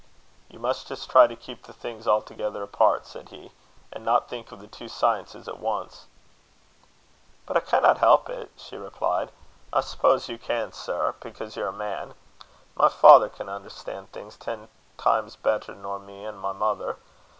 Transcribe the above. "You must just try to keep the things altogether apart," said he, "and not think of the two sciences at once." "But I canna help it," she replied. "I suppose you can, sir, because ye're a man. My father can understan' things ten times better nor me an' my mother.